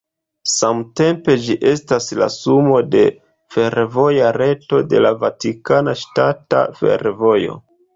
Samtempe ĝi estas la sumo de fervoja reto de la Vatikana Ŝtata Fervojo.